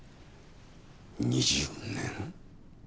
２０年？